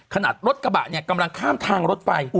รถกระบะเนี่ยกำลังข้ามทางรถไฟ